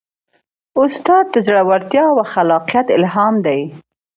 استاد د زړورتیا او خلاقیت الهام دی.